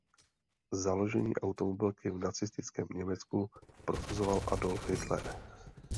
Založení automobilky v nacistickém Německu prosazoval Adolf Hitler.